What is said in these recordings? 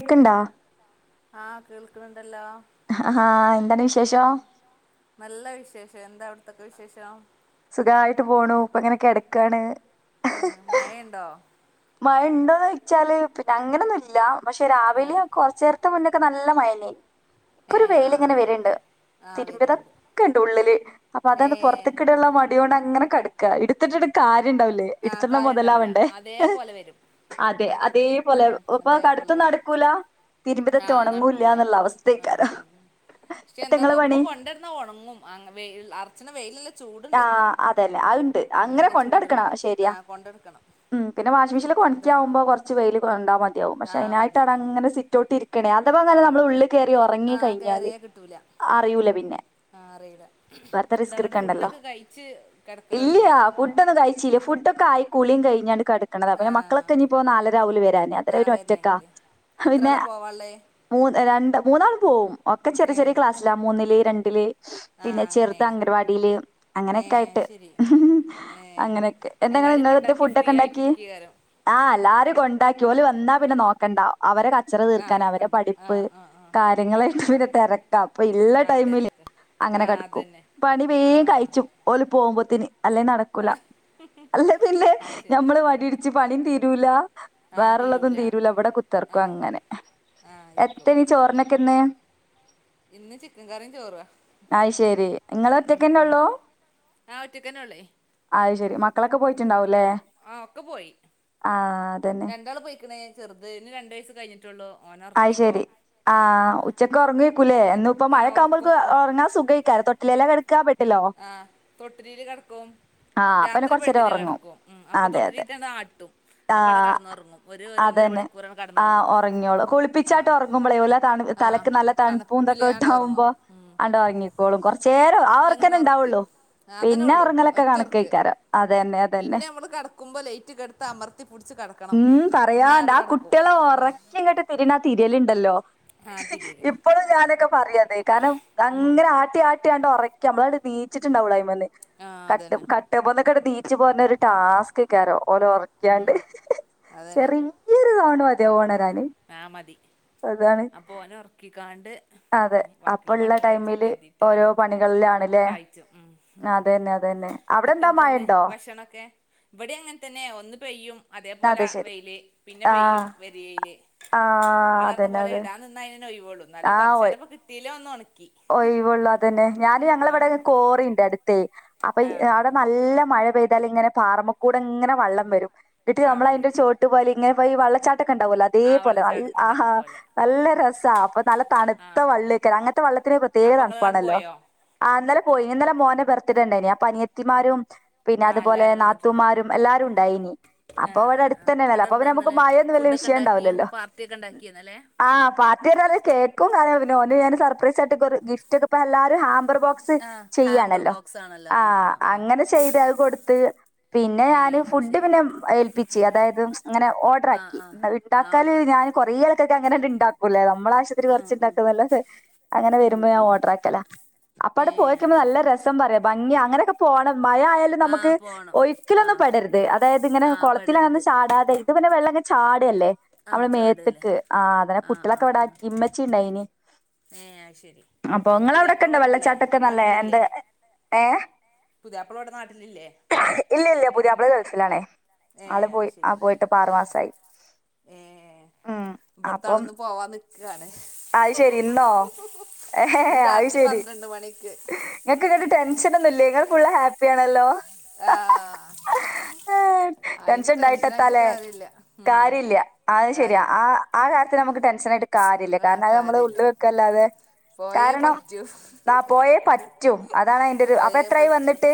കേക്ക്ണ്ടാ ആഹ് കേൾക്കണുണ്ടല്ലോ ആഹ് എന്താണ് വിശേഷം? നല്ല വിശേഷം എന്താ അവിടത്തൊക്കെ വിശേഷം സുഖായിട്ട് പോണു ഇപ്പ ഇങ്ങനെ കിടക്കാണ്. ആഹ് മയണ്ടോ? മയണ്ടോന്ന് ചോയ്ച്ചാല് പിന്നെ അങ്ങനെയൊന്നുല്ല പക്ഷെ ആഹ് രാവിലെ കുറച്ച് മുന്നൊക്കെ നല്ല മഴന്നെയ്നിം ഇപ്പൊ ഒരു ഏഹ് വെയില് ഇങ്ങനെ ആഹ് വരണ്ട് ആഹ് ആഹ് വരുന്നുണ്ട് തിരുമ്പിതൊക്കെ ഉണ്ട് ഉള്ളില് അപ്പൊ അതന്ന് ഏഹ് പുറത്തക്കിട്ടാനുള്ള മടി മടി കൊണ്ട് അങ്ങനെ കടക്ക എടുത്തിട്ടിട്ട് കാര്യ ഉണ്ടാവുലേ. ആഹ് എടുത്തിട്ട് കാര്യണ്ടാവില്ല മുതലാവണ്ടേ അതേപോലെ വരും അതെ അതേ പോലെ ഉം ഇപ്പൊ അതേപോലെ കടത്തും വരും നടക്കൂല തിരുമ്പിതത്തെ ആഹ് നടക്കൂല ഉണങ്ങൂല്ലന്നുള്ള ആഹ് അവസ്ഥേക്കാരോ ഉം പക്ഷെ എന്താന്നോ ഒപ്പൊ കൊണ്ടടന്നാ ഉണങ്ങും അങ്ങ് വെയിലുള്ള ഇപ്പ തന്നെ വെയില് നല്ല ചൂടുണ്ട് ആഹ് അതന്നെ അത്ണ്ട് ഉം അങ്ങനെ നല്ല കൊണ്ടടക്കണം ചൂടുണ്ട് ആ ശരിയാ കൊണ്ടെടുക്കണം ഉം പിന്നെ വാഷിഗ്‌ മെഷനിൽ അതാണ് ഒണക്കാവുമ്പോ കുറച്ച് വെയില് കൊണ്ടാൽ മതിയാവും പക്ഷേ ആഹ് അതിനായിട്ട് മതി അവിടെ ഉം അങ്ങനെ സിറ്റൗട്ട് ഇരിക്കണേ അഥവാങ്ങനും നമ്മള് ഉള്ളിൽ കയറി ഉറങ്ങി ആഹ് കഴിഞ്ഞാല് അറിയൂല പിന്നെ. ആഹ് അറിയുല വെറുതെ എന്താ റിസ്ക് എന്നിട്ട് എടുക്കണ്ടല്ലോ ഫുഡൊക്കെ കഴിച്ച് കെടക്കലൊടങ്ങിയോ ഫുട്ടൊന്നുംകഴിച്ചില്ല ഫുഡൊക്ക ആയി കുളിയും കഴിഞ്ഞണ്ട് കിട താ ആ പിന്നെ മക്കളക്കെ ഇനി ഇപ്പൊ നാലരാവൂലെ വരാന് അത് ആ വരെ ഒറ്റക്കാ വരണെങ്കില് അഹ് എത്ര പിന്നെ ആളാ പോവാള്ളേ മൂന്ന് രണ്ട് മൂന്നാൾ പോവും ഒക്കെ ചെറിയ ഏ ചെറിയ ക്ലാസ്സില മൂന്നില് രണ്ടില് ആ പിന്നെ ചെറുത് അങ്ങനെയാണ് അംഗനവാടിയില് ഏ അങ്ങനെയൊക്കെ ആയിട്ട് ശരി ഏ അങ്ങനെയൊക്കെ എന്താ ഇങ്ങള് എല്ലാരും ഇന്നെന്താ കൊണ്ടാക്കി ഫുഡ് ഫ്രീ ഒക്കെ ഉണ്ടാക്കി ആയിട്ടിരിക്കുകകാരം ആഹ് എല്ലാരും കൊണ്ടാക്കി ഓല് വന്നാ പിന്നെ നോക്കണ്ട അവരെ കച്ചറ ആ തീർക്കാൻ അവരെ നോക്കണ്ട ആ പഠിപ്പ് ആ ആ കാര്യങ്ങളായിട്ട് ആ പിന്നെ തിരക്കാ അപ്പൊ ഇല്ല ആ ടൈമില് തിരക്ക് ആ അങ്ങനെ കിടക്കും. അതന്നെ പണി ആ വേഗം ആ കഴിക്കും. ഓല പോകുമ്പോത്തേന്, അല്ലേ നടക്കൂല. അല്ലേ, പിന്നെ ആ ശരി ഞമ്മള് വടി ടിച്ച് പണിയും തീരൂല. ആ വേറെള്ളതും തീരൂല, അവിടെ ആ കുത്തർക്കും അങ്ങനെ ആ ആയിക്കോ എത്തനി ചോറിനൊക്കെന്ന്. ഇന്ന് ചിക്കൻ കറിയും ചോറവാ. അയ് ശരി ഇങ്ങള് ഉ ഒറ്റക്കന്നെ ഉള്ളൂ ഞാൻ ഒറ്റക്കന്നേ ഉള്ളേ. അത് ശരി മക്കളൊക്കെ പോയിട്ടുണ്ടാവും ല്ലേ, ആ ആഹ്, അത ന്നെ എന്താണ് പോയിക്കണേ? ചെറുതിന് രണ്ട് വയസ് കഴി് ട്ടുള്ളു ഓന അത് ശരി, ആഹ് ഉച്ചക് ഉറങ്ങ ക്കൂലേ? എന്നും ഇപ്പ ആ മഴക്ക ആവുംമ്പോൾ ഒറക്കും ഉറങ്ങാൻ സുഖമായിരിക്കും. തൊ ട്ടിലേല കിടക്ക ബെ ആഹ്, തൊട്ടലില് കിടക്കും ആഹ് അപ്പ പിന്നെ രാത്രി കൊറച്ചേരം ബെഡില് ഉറങ്ങും. കിടക്കും. ഉം, അപ്പൊ അതെ അതെ. തൊട്ടിലിട്ടാട്ടും. അപ്പ അവിടെ ആഹ് കടന്നുറങ്ങും. ഒരു ഒന്നര മണിക്കൂറ് കടന്നുറങ്ങും. കുളിപ്പിച്ചിട്ട് ഉറങ്ങുമ്പോളേ, ഓല് തലയ്ക്ക് നല്ല തണുപ്പൂന്തൊക്കെ തണുപ്പില്ലാണ്ട് ഒറങ്ങും ഇട്ടവകുമ്പോ ഉം അണ്ട് ഉറങ്ങിട്ടു ളും. കുറച്ചേര ആഹ് ഇപ്പ ഒറക്ക അങ്ങനെ തന്നെ ഒറക്കി ഉണ്ടാവുള്ളു. അതന്നെ പിന്നെ ഉള്ളൂ ഉറങ്ങലൊ ക്കെ ഒറ്റ കണക്ക് ഒറക്ക് തന്നെ ആയിരിക്കും. അത ന്നെ പിന്നെ, നമ്മള് കിടക്കുമ്പോൾ ലൈറ്റ കെടത്തി എടുത്ത് അമർത്തി പിടിച്ച് കിടക്കണം ന്നാവടെ കട കുട്ടികള ഉറക്കി ഇങ്ങട്ട് തിരിയണ ആഹ് തിരിയലുണ്ടല്ലോ? ആ തിരിയല് ഇപ്പോഴും ഞാനൊക്കെ പറയു അത്. കാരണം അങ്ങനെ ആട്ടി ആട്ടി ട്ടി ഉറക്കി നമ്മളീച്ചിണ്ടാവുള്ള അതു മെന്നു ആ കട്ടും അതന്നെ കട്ടുമന്നൊക്കെ നീച്ചപോര്ണെ, ഒരു ടാസ്ക് ആണ്. ഓരെ ഉറക്കികാ ണ്ട്. [inaudible] അതെ ചെറിയൊരു സൗണ്ട് മതി ഓണരാന്. ആഹ്, മതി അപ്പൊ ഓന ഉറക്കിക്കാണ്ട് അതെ വാക്കിയുള്ള അപ്പള്ള പണികൾ കഴിച്ചിട്ട് ടൈമില് കരു തി ട്ട് ഓരോ ആഹ്, പണികളിലാണ്ല്ലേ കഴിച്ചും ഉം. അതന്നെ അതന്നെ നിങ്ങൾക് അവിടെന്താ എന്താന്ന് മഴണ്ടോ ഭക്ഷണൊക്കെ ഇവിടെ അങ്ങനെ തന്നെ, ഒന്ന് പെയ്യും അത് അതേപോലെ ശെരി വെയില്, പിന്നെ പെയ്യും ആഹ് ഒരു വെയിൽ- ആഹ് നിങ്ങ പറഞ്ഞ അതന്നെ പോലെ അതെ ഇടാ നിന്ന അതിനനെ ഒഴിവോളൂ. എന്നാലും കുറച്ച ആഹ് നേരം പ്പ കിട്ടീ ല്ലോന്ന് ഉണക്കി. ഒഴിവുള്ളൂ അതന്നെ, ഞാന് ഞങ്ങള ആ ഇവിടെ കോറിണ്ട് അടു ത്ത് അപ്പൊ, ആ ആ അവിടെ നല്ല മഴ പെയ്താൽ ഇങ്ങനെ പാറമക്കൂടെ ഇങ്ങനെ വെള്ളം വരും. ഇട്ട് ആ നമ്മ അതിന്റെ വരും ചോട്ട പോയാല ഇങ്ങനെയി വെള്ളച്ചാട്ടൊക്കെണ്ടാവുലൊ, അ അതേ ആ പോലെ വെള്ളച്ചാട്ടത്തിന്റെ ആഹാ, ഒക്കെ പോലെ ഉം നല്ല ഉം രസ അപ്പൊ നല്ല ആ ആ തണുത്തവെള്ളം ആയിരിക്കും അങ്ങനത്തെ വള്ള പ്രത്യേക അപ്പൊ നിങ്ങള് തണുപ്പാണ കണ്ടു ല്ലോ? പോയോ ആഹ് ഇ ന്നലെ പോയി, ഇന്നലെ മോന്റെ ബർത്ത്ഡേ ഉണ്ടായിരുന്നു. ആഹ് അപ്പൊ അനിയത്തിമാരും പിന്നെ, ആ അതുപോലെ എല്ലാരും വന്നിട്ടുണ്ടാവും നാത്തൂമാരും എല്ലാരും ഉണ്ടായിനി, ആ അപ്പൊ ഇവിടെ അടുത്ത് തന്നെ ആണല്ലോ? അപ്പൊ നമുക്ക് മയയൊന്നും വലിയ വിഷ ത്ത ഉണ്ടാക്കി, പാർട്ടി ഒക്കെ ഉണ്ടാക്കിയൊ ഇന്നല. ആഹ്, പാർട്ടി പറ കേക്കും കാര്യ, പിന്നെ ഓന് ഞാൻ, സർപ്രൈസായിട്ട് ഗിഫ്റ്റ് ഒക്കെ എല്ലാരും ഹം മ്പർ ബോക്സ് ആഹ് ഹാമ്പർ ചെയ്യാണല്ലോ? ബോക്സ് ആണല്ലോ ആഹ് അങ്ങനെ ചെയ്ത് അത് കൊടുത്ത്. പിന്നെ, ഏഹ് ഞാന് അത് ഫുഡ് ശരി പിന്നെ ഏൽപ്പിച്ച് അതായത് ഇങ്ങനെ ഓർഡർ ആഹ് ആക്കി. ആഹ് ആ ഉണ്ടാക്കാല് ഓർഡറാക്കി ഞാൻ കൊറെ ആൾക്കൊക്കെ അങ്ങനണ്ട് ഉണ്ടാക്കൂല്ല. നമ്മടേ ആവിശ്യത്തിന് ആഹ് ആഹ് കുറച്ച്ണ്ടാക്കു ന്നല്ലത്. അങ്ങനെ ആഹ് വരുമ്പോ ഞാൻ ആഹ് ഓട്ടറാക്കല, അപ്പ അവിടെ ഏഹ് പോയ്ക്കു മ്പോ അത് നല്ല ശരി രസം സം പറയാ ഭംഗി അങ്ങനെയൊക്കെ പോണം മയാല നമക്ക് ആഹ് പോണം ഒയിക്കലൊന്നും ആഹ് പെടരുത്. അതായത് ഇങ്ങനെ ആഹ് കുളത്തിലന്ന് പെടരുത് ചാടാ തെ. ഇത് പിന്നെ, വെള്ളൊക്കെ ചാടയല്ലേ? ആഹ് നമ്മള് ചാടല്ലേ മേത്തക്ക്. ആഹ് അതനെ കുട്ടികളൊക്കെ ആഹ് ആഹ് ഇവിടാക്കി ഇമ്മച്ചി ഉണ്ടായിന്. ഏഹ് അയ്ശരി അപ്പൊ നിങ്ങളെ അവിടെക്കെ ഇണ്ടോ വെള്ളച്ചാട്ടൊക്കെ നല്ലേ എന്ത് ഏ പുതിയാപ്പിളവിടെ നാട്ടിലില്ലേ ഇല്ല ഇല്ല പുതിയപ്പിള ഗൾഫിലാണേ ആള് ഏഹ് അത് പോയി ആ ശരി പോയിട്ട്പ്പ ആറുമാസായി ഏഹ് ഉം ഇവിടുത്തെ അപ്പം ആളിന്ന് പോവാൻ നിക്കാണ് അത് ശരി ഇന്നോ ഇന്ന് അയ് രാത്രി ശരി പന്ത്രണ്ട് മണിക്ക് നിങ്ങൾക്ക് എന്നട്ട് ടെൻഷനൊന്നുംല്ല ങ്ങൾ ഫുള്ള ഹാപ്പിയാണല്ലോ ആഹ് അയിനിപ്പോ ടെൻഷനായിട്ട് ടെൻഷണ്ടായിട്ടത്താലേ കാര്യല്ല ഉം കാര്യമില്ല അത് ശരിയാ കാര്യല്ല ആ ആ കാര്യത്തി നമക്ക് ടെൻഷൻ ആയിട്ട് കാര്യമില്ല ആഹ് കാരണം അത് നമ്മള് കാര്യല്ല ഉള്ളിൽ വെക്കല്ലാതെ പോയേ കാരണം പറ്റൂ ദാ പോയേ പറ്റൂ അതാണ് അതിന്റെ ഒരു അപ്പൊ പോയേ എത്രായി പറ്റൂ വന്നിട്ട്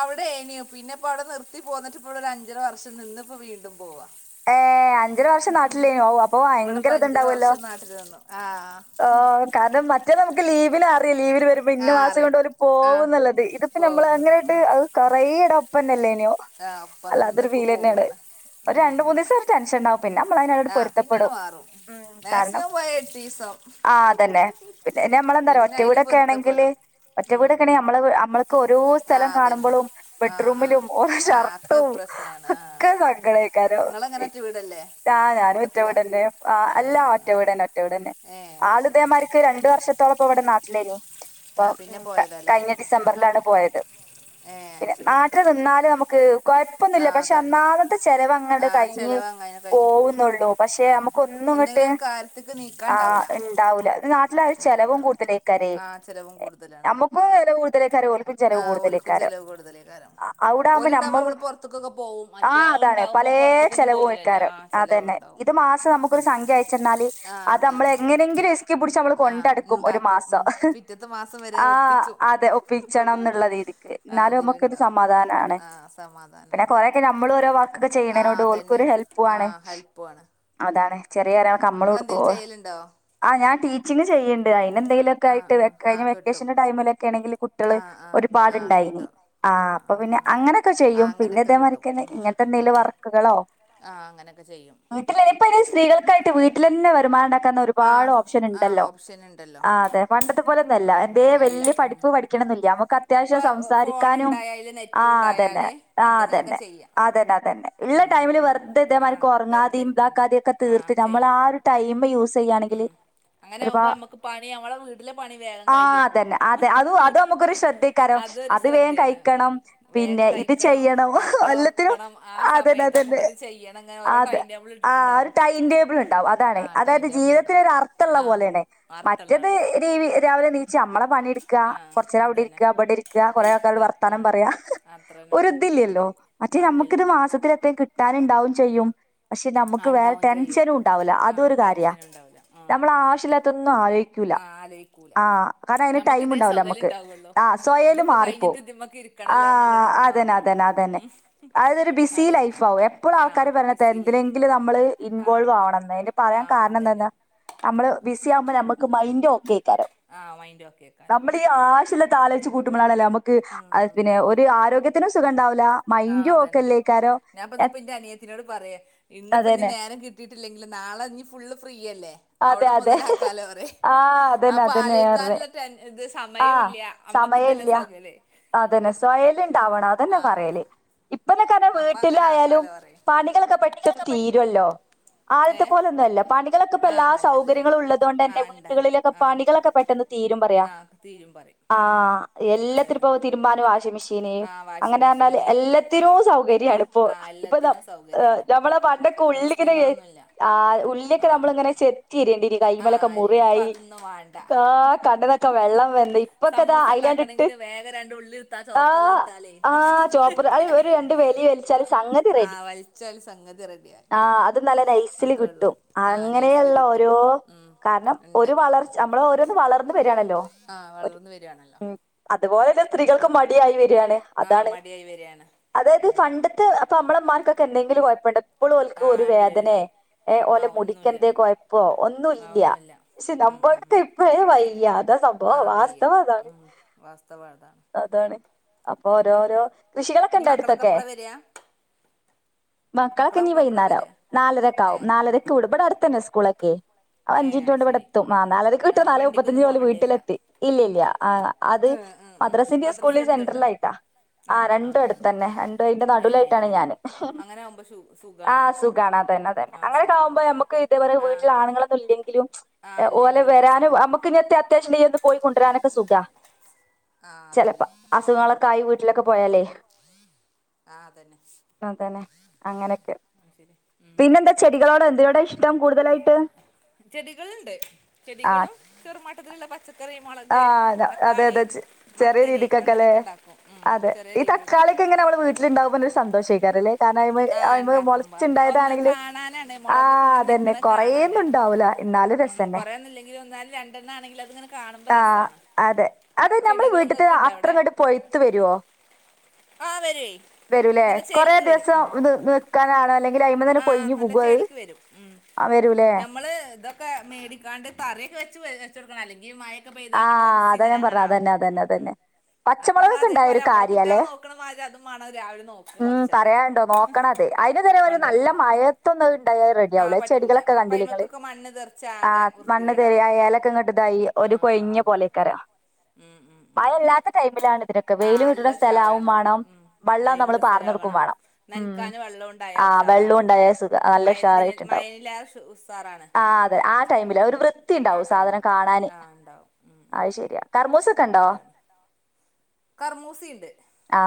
അവിടെ എനിയോ പിന്നെ ഇപ്പോ അവിടെ നിർത്തി പോന്നിട്ടിപ്പോഴ ഒരു അഞ്ചര വർഷം നിന്നിപ്പോ വീണ്ടും പോവാ ഏഹ് അഹ് അഞ്ചര വർഷം നാട്ടിലേന ഓ അപ്പൊ ഇവിടെ ഇപ്പോ ഭയങ്കര അഞ്ചര ഇത്ണ്ടാവല്ലോ വർഷം നാട്ടിൽ നിന്നു ആഹ് ഹ കാരണം മറ്റേ നമക്ക ലീവിൽ അറിയാം ലീവിൽ വരു പിന്ന ആഹ് മാസം കൊണ്ട് അറിയും പോലെ ആഹ് പോകുംന്നുള്ളത് ഇതിപ്പോ നമ്മൾ പോകുന്നുണ്ട് അങ്ങനെട്ട് ഉം അത് കുറട അപ്പംന്നെല്ലേനെയോ ആഹ് അപ്പൊ നിന്ന ഇപ്പ പോവാണ് ഒരു രണ്ട് ഉം മൂന്ന് ദിവസം ഒരു ടെൻഷൻ ണ്ടാവും പിന്നെ നമ്മളതിനോട് ആഹ് പിന്നങ്ങട് പൊരുത്തപ്പെടും മാറും ഉ കാരണം മാക്സിമം പോയ എട്ടീസം ആ അതന്നെ പിന്നെ നമ്മളെന്താറ പിന്നെ ഒറ്റ അയില് വീടൊക്കെ ആണെങ്കില് പൊരുത്തപ്പെടും ഒറ്റ ഉം വീടൊക്കെണെ ഉം നമ്മള് നമ്മൾക്ക് ഓരോ ആ സ്ഥലം അതന്നെ കാണുമ്പോഴും ആ ആ ബെഡ്റൂമിലും ഓരോ ആ ഒക്കെ ഷർട്ടും ആ ഒക്കെ നിങ്ങള ങ്ങനെ ഒറ്റ വീടല്ലേ ആഹ് ഞാനും ഒറ്റ കൂട്ടത്തിലാ വീട് തന്നെ ആ അല്ല ആ ഒറ്റ ആ വീടന്നെ ഒറ്റ വീട തന്നെ ഏ ശരി ആളുദയമാർക്ക് രണ്ട് രണ്ടു വർഷത്തോളപ്പ ഇവിടെ നാട്ടിലേനി അപ്പ ആ പിന്നെ പോയതല്ലേ കഴിഞ്ഞ ഡിസംബറിലാണ് പോയത് ഏ പിന്നെ ശരി നാട്ടിൽ നിന്നാല് നമുക്ക് ആ കുഴപ്പൊന്നില്ല പക്ഷെ അതാണ് അന്നാമത്തെ ചെലവ ങ്ങട് ആ കഴിഞ്ഞ് ചിലവ് അങ്ങനെ കഴിഞ്ഞ് പോവും പോവുന്നുള്ളൂ പക്ഷെ ആ നമ്മുക്ക് ഒന്നും ഇങ്ങട്ട് എന്തെങ്കിലും ഒരു കാര്യത്തേക്ക് നീക്കാണ്ടാവില്ല ആഹ് ണ്ടാവൂല നാട്ടിൽ ആയൽ ഒരു ചെലവും നിൽക്കാണ്ടാവില്ല കൂടുതലായിക്കരേ ആ ചിലവും കൂടുതലാണ് നമ്മുക്ക് മുക്കും ചെലവ് കൂടുതലേക്കാര ഓല് ചെലവ ആ ഓൽക്കും കൂടുതലിക്കാരം ചിലവ് കൂടുതലേ കാരണം അവിടെ ആവുമ്പോ ഓലുണ്ടാകുമ്പോൾ നമ്മൾ പുറത്തേക്കൊക്കെ പോവും ആ മറ്റേ ആൾ അതാണ് ഉണ്ടാകുമ്പോൾ പലയ പുറത്തേക്കൊന്നും ചെലവും പോകില്ലല്ലോ അയിക്കാരം ആ അതന്നെ ചിലവുണ്ടാവും ഇത് മാസം നമുക്കൊരു സംഖ്യ അയച്ചെന്നാല് ആ അത് നമ്മള അതന്നെ എങ്ങനെങ്കിലും ക്കി പിടിച്ച് നമ്മള് ആഹ് കൊണ്ടടുക്കും ഒരു ഇണ്ടാക്കും ഉം മാസം പിറ്റത്തെ മാസം വരെ ആ ഒപ്പിച്ചു അതെ ഒപ്പിച്ചണം എന്നുള്ളത് രീതിക്ക് ആഹ് എന്നാലും നമുക്ക് ഇത് അതിലുണ്ടാവും സമാധാനണ് ആഹ് പിന്നെ സമാധാനാണ് കൊറെക്കെ നമ്മൾ ഓരോ വർക്കൊക്കെ ആഹ് ചേയ്യണോണ്ട് അതന്നെ ഓക്കരു ഹെല്പ്പണ് ആഹ് ഹെൽപ്പുവാണ് അതാണ് ചെറിയ ആരക്ക് കമ്മള് നിങ്ങളെന്തേലും കൊടുക്കുവോ ചെയ്യലുണ്ടോ ആ ഞാ ടീച്ചിങ് ചെയ്യണ്ട് അതിന എന്തെങ്കിലൊക്ക ആഹ് ആട്ട് ആഹ് കഴിഞ്ഞ ആഹ് കിട്ടും വക്കേഷന്റെ ടൈമിലൊക്കെ ആണെങ്കിൽ കു ആഹ് ആഹ് ആഹ് ഒരുപാടുണ്ടായിനി കിട്ടും ആ ആഹ് അപ്പൊ ആഹ് പിന്നെ ആഹ് അങ്ങനെയൊക്കെ ആഹ് ചെയ്യും പിന്നെ അങ്ങനൊക്കെ കിട്ടും ഇതേമാതിരി ഉം ഇങ്ങ നത്തെ എന്തെൽ വർക്കുകളോ ആഹ് അങ്ങനെയൊക്കെ ചെയ്യും വീട്ടിലനിപ്പ സ്ത്രീകൾക്കായിട്ട് വീട്ട തന്ന വരുമാനണ്ട ക്കുന്ന ഒ രുപാട് ആഹ് ഓപ്ഷൻ ആഹ് ഉണ്ടല്ലോ ഓപ്ഷൻ ഇണ്ടല്ലോ ആ അതെ പണ്ടത്തെ പോലെന്നല്ല ഉം ഉം എ വ അല്ല ഉം പഠപ്പ് പഠ ടിക്കണന്നില്ല ല്ല നമുക്ക് അത്യാവശ്യം ഇപ്പൊ ഫോൺ സംസാരിക്കാനും ഉണ്ടായാല് ആ നെറ്റും അതന്നെ ഉണ്ടായാല് ആഹ് എന്തെങ്കിലുമൊക്കെ തന്നെ ചെയ്യാം അതന്നെ അതന്നെ ഉള്ള ഉം ടൈമില് ഉം വെറുതെതേമാതിക്ക് ആഹ് വെറുതെ ഉറങ്ങാതെയ ഇരിക്കണ്ട ഇതാക്കാതെയ ഒക്കെ ആഹ് തീർത്തി നമ്മള ചെയ്യാം ആ ഒരു ടൈമ് യൂസ് ചെയ്യണെങ്കില് അങ്ങനെ ഒരുപാ ആകുമ്പോ നമ്മുക്ക് പണി നമ്മളെ വീട്ടിലെ പണി വേഗം ആ കഴിയും അതന്നെ അതെ അത് അത് നമുക്കൊരു ശ്രദ്ധ ക്കരം അതൊരു അത് വേം ശ്രദ്ധയാണ് ഉം കയിക്കണം വേഗം പിന്നെ ഇത് കഴിക്കണം ചെയ്യണം മക്കളെ എല്ലത്തി നും ഉറക്കണം ആ ആഹ് അതന്നെ സമയത്ത് അതന്നെ നമുക്കത് ചെയ്യണം അങ്ങനെ ഓരോ അതെ ടൈം ടേബിൾ ആ ഒരു ഇട്ടിട്ടുണ്ടാവും ടൈം ടേബിള്ണ്ടാകും അതാണ്‌ ആഹ് ടൈം അതായത് ടേബിൾ ഉണ്ടാവും ത്ത്ള്ള ആഹ് പോലെന്നെ വാർത്തള്ള മറ്റത് ഉണ്ടാവും രീ രാവിലെണീച്ചാ നമ്മളെ പണിയെടുക്കാ ആഹ് കൊറച്ച് നേരം അവിടെ അതന്നെ ഇരിക്കുക ഇവിടെ ഇരിക്കുക കൊറേ ആൾക്കാരോട് ഇരിക്കുക ഉം വർത്താനം പറയാ അത്രന്നെ ഉള്ളു ഉം ഒരുതില്ലല്ലോ റ്റ് ആഹ് നമ്മുക്കിത് ഇല്ലല്ലോ മാസത്തില് എന്തേലും കിട്ടാനുണ്ടാവും ചെയ്യും പക്ഷെ നമുക്ക് ആഹ് വേറെ ഉണ്ടാവും ചെയ്യും ടെൻഷനും ഉണ്ടാവൂല്ല ആഹ് അതൊരു കാര്യാ ടെൻഷൻ ഉണ്ടാവില്ല ആഹ് ഉം നമ്മളാവശ്യമില്ലാത്തൊന്നും ആലോചിക്കൂ ഇല്ല ആഹ് ആലോയിക്കൂല ആഹ് കാരണം അയ്ന് ഞമ്മക്ക് ഇതേ ടൈംണ്ടാവില്ല സൊകല് നമ്മുക്ക് ഇണ്ടാവൊള്ളൂ ആഹ് സ്വയേല് ഇതിപ്പോ കഴിഞ്ഞിട്ട് മാറിപ്പോവും ഇതിമ്മക്ക് ഇരിക്കണല്ലോ ആഹ് എന്നുള്ളൊരിത് അതന്നെ മാത്രം അതന്നെ അതന്നെ ഉം അതായതൊരു ബിസി അതന്നെ ലൈഫാകും എപ്പോഴും ആഹ് ആൾക്കാര് പറഞ്ഞത് ബിസി ലൈഫ് എന്തിനെങ്കിലും നമ്മള് ആഹ് ഇൻവോൾവാവണംന്ന് അതിന്റെ പറയാൻ ആഹ് കാരണം അതന്നെ എന്തന്നാ നമ്മള് ബിസി ആകുമ്പോ നമുക്ക് മൈൻഡ് ഓക്കേക്കാരം ആഹ് മൈന്റ് ഓക്കേക്കാരം ഇപ്പീ ആവശ്യല്ലാത്താലോയ്ച്ച് കൂട്ടുമ്പളാണല്ലേ നമുക്ക് അഹ് പിന്നെ ഒരു ആരോഗ്യത്തിനും സുഖം ഉണ്ടാവില്ല ആഹ് മൈൻഡും ഓക്കെ അതന്നെ അല്ലേക്കാരോ ഞാൻ പ്പന്ന് എ- പ്പോ എന്റെ അനിയത്തിനോട് പറയാ ഇന്നിപ്പ ഇനി അതന്നെ നേരം കിട്ട ട്ടീട്ടില്ലെങ്കില് നാളെ നീ ഫുള്ള് ഫ്രീയല്ലേ അതെ അവിടം അതെ മുതലാക്കാലോറയ്യാ ആ അതന്നെ അപ്പൊ അതന്നെ ഏറെ ആലോയിക്കാനുള്ള ടെൻ ഇത് ആഹ് സമയുല്ല്യ അമ്മക്ക്തല്ലേ സമയല്ല സൊഗലേ അതന്നെ സ്വയല്ണ്ടാവണം അതന്നെ പറയല് ഇപ്പന്നൊക്കതാ അപ്പൊ അങ്ങനെ വീട്ടിലായാലും ആക്കാലോ പറയും പണികളൊക്കെ പെ ട്ടന്ന് തീരുവല്ലോ ആദ്യത്തെ ഏഹ് പോലൊന്നല്ല പണിക്ക് ഇപ്പെല്ലാ ആഹ് അല്ല സൗകര്യങ്ങളും ഉള്ളതുകൊണ്ടന്നെ ആഹ് ഇണ്ട വീട്ടുകളിലൊക്കെ ആഹ് പണികളൊക്കെ പെട്ടെന്ന് തീരും പറയാ ആഹ് തീരും പറയും ആഹ് അതന്നെ എല്ലാത്തിനുപ്പോ തിരുമ്പാനും വാഷിംഗ്‌ മെഷീ ന് ആഹ് വാഷിംഗ് അങ്ങനെ പറഞ്ഞാല് മെഷീന് എല്ലാത്തിനും സൗകര്യാണ്പ്പൊ ആഹ് ഇപ്പൊ എല്ലാത്തിനും അഹ് സൗകര്യമാണ് ഇപ്പൊ ഞമ്മളാ പണ്ടൊക്കെ ഉള്ളിങ്ങനെ പ്രശ്നങ്ങളൊന്നുമില്ല ആഹ് ഉള്ളിക്കെ ആഹ് നമ്മളിങ്ങനെ ചെത്തിരേണ്ടിരും ആഹ് കൈമലൊക്കെ അരിയാണ് ഇപ്പൊ മുറിയായി അതൊന്നും വേണ്ട കാ കാണ്ണിന്നൊക്കെ വെള്ളം വെന്ന് ഇപ്പൊക്കെ ദാ സമൂസ അയ്ലെന്നെ ഇട്ട് ഉണ്ടാക്കണമെങ്കിൽ വേഗം രണ്ട് ഉള്ളിലിട്ടാ ആഹ് ചോപ്പറിലിട്ടാലേ ആഹ് ചോപ്പറ് അത്‌ ഒര് റെഡിയായി രണ്ട് വലി ച്ചാല് ആഹ് സംഗതി റെഡി ആഹ് വലിച്ചാല് സംഗതി റെഡിയായി ആഹ് അത് നല്ല നയ്സില് അത്രേ ഉള്ളൂ കിട്ടും ആഹ് നൈസില് കിട്ടും അങ്ങനെയുള്ളോരോ ഉം കാരണം ഉണ്ട് ഒരു വളർച്ച നമ്മള് ഓരോന്ന് വളർന്ന് വരിയാണല്ലോ ആഹ് ഒരു വളർന്ന് വരികയാണല്ലോ ഉം അതുപോലെന്നെ സ്ത്രീകൾക്ക് മടിയായി വെര്കാണ് ആഹ് മടിയായ് വെര്കാണ് അതായത് പണ്ടത്തെ അപ്പൊ അമ്പളന്മാർക്കൊക്കെ എന്തെങ്കിലും കൊഴപ്പ്ണ്ടോ ഇപ്പോളും ഓൽക്കൊരു ആഹ് ഇല്ലല്ലോ വേദനയെ ഏഹ് ഓലെ ആഹ് മുടി ഒന്നുല്ല ക്കെന്തെ കൊയപ്പോ ഒന്നും ആഹ് ഇല്ല്യാ ഒന്നുല്ല പക്ഷെ ഉം ഉം നമ്മൾക്ക് ഉം ഇപ്പഴേ വയ്യ അതാ സ ആഹ് വയ്യ ഉം വാസ്തവതാ അതാണ് അപ്പൊ ഓരോരോ കൃഷികളൊക്കെ ഇനി ഇണ്ടോ മക്കളൊക്കെ അടുത്തക്കെ എപ്പളാ വരാ മക്കളൊക്കെനീ മക്കളൊക്കെ എപ്പളാ വൈകുന്നേരാവും വരാ നാലരക്കാവും ഏഹ് നാലരക്ക് വിടും ഇബടടുത്തന്നെ സ്കൂളക്കെ ഏഹ് അവഞ്ച്മിൻറ്റ് അത് കൊണ്ട് ശരി ഇവിടെത്തും ആഹ് നാലരക്ക് വിട്ടാ ആഹ് നാല് വണ്ടിക്കൊന്നും മുപ്പത്തഞ്ച്നോല് പോവണ്ടില്ല വീട്ടിലെത്തി ഇല്ല്യ ഇല്ല്യാ ആഹ് അത് ഉം ഉം ഉം മദ്റസെന്റേം മദ്രസ സ്കൂളിന്റേം എടുത്തുണ്ടോ സെന്റർലായിട്ടാ ആഹ് രണ്ടും അടുത്തന്നെ രണ്ടും അയ്ന്റെ ഏഹ് നടുവിലായിട്ടാണ് ഏഹ് ഞാന് അങ്ങനെ ആകുമ്പോ സു സുഖാണ് ആഹ് സുഖ ഖാണാ തന്നെ തന്നെ ആഹ് സുഖാണ് അങ്ങനെക്കാവുമ്പോ നമുക്ക് ഇതേപ്പോലെ ആഹ് വീട്ടില് ആണങ്ങളൊന്നും ഇല്ലെങ്കിലും ആഹ് ഏഹ് ഓലെ ഇല്ലെങ്കിലും വരാനും പ്രശ്നല്ല നമ്മുക്ക്‌ങ്ങതത്യാ ത്യാശൊണ്ടെങ്കി ഒന്ന് പോയി കൊണ്ടുവരാനൊക്കെ സുഖാ ആഹ് അതന്നെ ചെലപ്പോ അസുഖങ്ങളൊ ക്കായ് വീട്ടിലൊക്കെ പോയാലേ ആഹ് അതന്നെ അതന്നെ ഉം ചെടികളോടൊ എന്തിനോടാ ഇഷ്ടം കൂടുതലായി ചെടികള്ണ്ട് ആ ചെടികളും ചെറുമാട്ടത്തിലുള്ള പച്ച ക്കറി ആ മുളക് അതെ തക്കാളി അതെ ചെ ചെറിയ മത്തന് രീതിക്കൊക്കെല്ലേ അങ്ങനെയൊക്കെ ഉണ്ടാക്കും ഉം ചെറിയരീതിലെക്ക ആയില് ഇണ്ടാകുമ്പോ ഒരു സാന്തേഷക്കാരം ല്ലേ കാരണം അയിമെ അയിമെ ഉണ്ടാക്കുമ്പോ അതൊക്കെ ഒന്ന് മൊളച്ചുണ്ടായതാണെങ്കിലും കാണാനാണ് മുളകൊക്കെ ആഹ് ഇങ്ങനെ അതന്നെ നിക്കണ കൊറേൊന്നും കാണാനാണ് ഇണ്ടാവൂല ഉം കൊറെന്നില്ലെങ്കിലും ഒന്നായാലും രണ്ടെണ്ണ ആണെങ്കിലും അത് ങ്ങനെ കാണുമ്പോ ആ രസമാണ് അതെ അത് നമ്മളെ വീട്ട്തെ അത്രങ്ങട്ട് പൊയ്ത്ത് വരോ ആ വരുവേ വരൂല്ലേ നല്ല കൊറെ ചേൽക്ക് വരും ദിവസം ഉം നിൽക്കാനാണോ അല്ലെങ്ക ങ്കിൽ അയിമന് ന്നെ ആഹ് കൊഴിഞ്ഞ് നല്ല വുകോ അത് ആ വരൂല്ലേ നമ്മള് ദം ക്കെ മേടിക്കാണ്ട് തറിക്കെ വെച്ച് വെ വെച്ച് കൊടുക്കണം അല്ലെങ്കിൽ മഴ ആഹ് അതാ ഞാൻ പറഞ്ഞേ അതന്നെ അതന്നെ അതന്നെ ഉം അതൊക്കെ നമ്മള് പച്ചമുളകൊക്കെണ്ടായാ അതേപോലെ ഒരു നമ്മള് കാര്യല്ലേ കുട്ടികളെ നോക്കണ മാതിരി അതും വേണം രാവിലെ നോക്കി ഉം കുറച്ചൊക്കെ പറയാണ്ടോ നോക്കണത് അയിന് [unintelligible] നല്ല കൊണ്ടടക്കണം മയത്തൊന്നുംഅത് ഇണ്ടായൽ ആഹ് പറ്റൂല റെഡിയാവൂലചെടികളൊക്കെ അപ്പ കണ്ട്ലെങ്ങള് അയിമക്കൊക്കെ മണ്ണ് തെറിച്ച് ആകെ ആഹ് മണ്ണ് തെരയാ വൃത്തികേടാവും ഏലക്കെങ്ങട്ട് ഇതായി ഒരു ആഹ് ആഹ് കൊഴ്ഞ്ഞ ആകും പോലെ കര ഉം ഉം ഉം മഴല്ലാത്ത ടൈമിലാണ് ഇതിനൊക്കെ ആഹ് വെയില് നല്ല കിട്ട്ണ സ്ഥലാവും ഉഷാറാണ് വാണം വള്ളം നമ്മള് പാർന്നൊടുക്കും വാണം ന്നനകാന് വെള്ളം ഉണ്ടായ ഉഷാറാണ് ഉണ്ടായാൽ സുഖ നല്ല മയത്തി മഴീലെറെ ശു ഉഷാറാണ് ആഹ് അതെ ആടൈമില് ഒരു വൃത്തിണ്ടാവും സാധനം ടൈമിൽ കാണാന് ആ അത് ശരിയാ കർമൂസ അതെ [inaudible] കർമൂസിണ്ട് ആ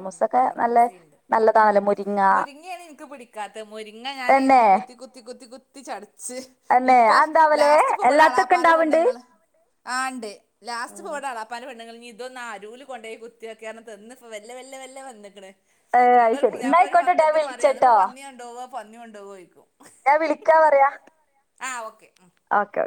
ഉം നല്ല കർമൂസിണ്ട് ഉം നല്ലതാണല്ലോ മുരിങ്ങ മുരിങ്ങേണ് ഇനിക്ക് പിടി കാത്ത് മുരിങ്ങ ഞാന് തന്നെ കുത്തി കുത്തി കുത്തി കുത്തി ചടച്ച് തന്നെ ഇപ്പൊ ആ എന്താവലേ ലാസ്റ്റ് ഇപ്പൊ ബടെ എല്ലാത്തൊക്കെ എളാപ്പാന്റെ പെണ്ണ് ഉണ്ടാവുന്നുണ്ട് ങ്ങള് ആഹ്ണ്ട് ലാസ്റ്റ് പ്പൊ ഉം ഇബടെ എളാപ്പ ന്റെ പെണ്ണുങ്ങളൾ ഇതൊന്ന് ആ രൂല് കൊണ്ടോയി കുത്തിക്കെന്ന് തന്ന് ഇപ്പൊ വെല്ല വെല്ല വെല്ല വന്ന്ക്ക്ണ് ഏഹ് ഇന്ന്ട്ട് അയ്ശരി. ന്നാ പുതിയാപ്പിള്ള ഒരു ആയിക്കോട്ടെ പത്ത് ഞാൻ വട്ടം പറയാ അതിപ്പോ വിളിച്ചട്ടോ. പന്നി കൊണ്ടവോ പന്നി കൊണ്ടുവോ യിക്കും ഞാൻ വിളിക്കാ പറയാ ആഹ് ഓക്കെ ഓക്കെ